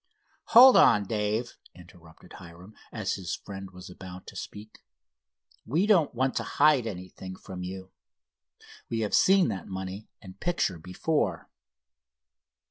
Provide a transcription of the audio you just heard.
"Hold on, Dave," interrupted Hiram, as his friend was about to speak; "we don't want to hide anything from you. We have seen that money and picture before."